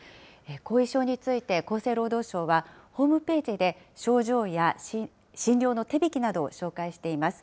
後遺症について、厚生労働省はホームページで症状や診療の手引きなどを紹介しています。